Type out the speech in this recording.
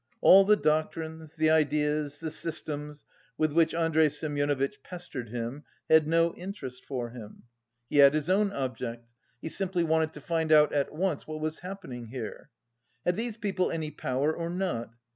All the doctrines, the ideas, the systems, with which Andrey Semyonovitch pestered him had no interest for him. He had his own object he simply wanted to find out at once what was happening here. Had these people any power or not?